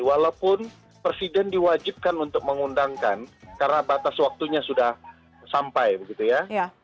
walaupun presiden diwajibkan untuk mengundangkan karena batas waktunya sudah sampai begitu ya